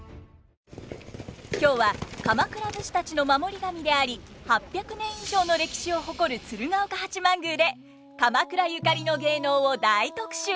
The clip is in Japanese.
今日は鎌倉武士たちの守り神であり８００年以上の歴史を誇る鶴岡八幡宮で鎌倉ゆかりの芸能を大特集！